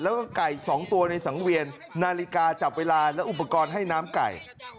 แล้วก็ไก่๒ตัวในสังเวียนนาฬิกาจับเวลาและอุปกรณ์ให้น้ำไก่